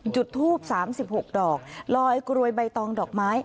จุดทูป๓๖ดอกลอยกรวยใบตองดอกไม้